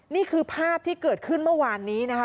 นี่คือภาพที่เกิดขึ้นเมื่อวานนี้นะคะ